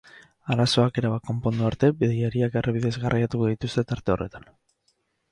Arazoak erabat konpondu arte, bidaiariak errepidez garraiatuko dituzte tarte horretan.